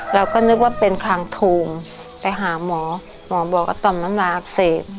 เราก็นึกว่าเป็นคางโทงไปหาหมอหมอบอกว่าต่อมน้ำลายอักเสบ